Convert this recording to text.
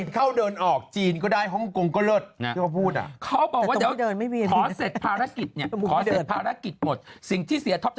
เข้าเดินออกจีนก็ได้ฮ่องกงก็เลิศนะ